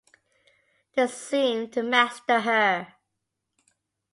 They seemed to master her.